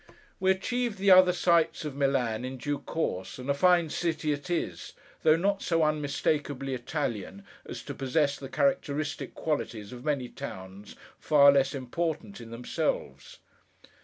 We achieved the other sights of Milan, in due course, and a fine city it is, though not so unmistakably Italian as to possess the characteristic qualities of many towns far less important in themselves.